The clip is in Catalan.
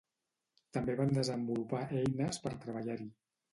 També van desenvolupar eines per treballar-hi.